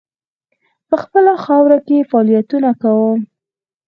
په خپله خاوره کې فعالیتونه کوم.